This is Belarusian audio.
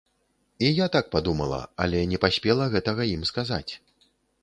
І я так падумала, але не паспела гэтага ім сказаць.